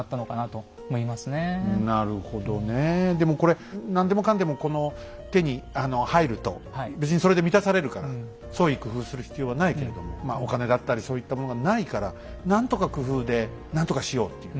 でもこれ何でもかんでもこの手に入ると別にそれで満たされるから創意工夫する必要はないけれどもお金だったりそういったものがないから何とか工夫で何とかしようっていう。